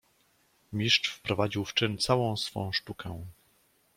"Mistrz wprowadził w czyn całą swą sztukę."